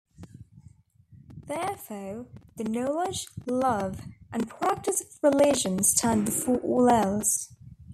Therefore, the knowledge, love and practice of religion stand before all else.